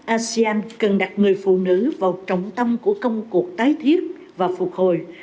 asean cần đặt người phụ nữ vào trọng tâm của công cuộc tái thiết và phục hồi